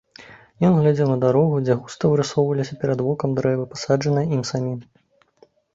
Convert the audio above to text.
Ён глядзеў на дарогу, дзе густа вырысоўваліся перад вокам дрэвы, пасаджаныя ім самім.